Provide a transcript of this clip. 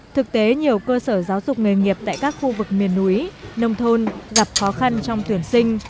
thực tế nhiều cơ sở giáo dục nghề nghiệp tại các khu vực miền núi nông thôn gặp khó khăn trong tuyển sinh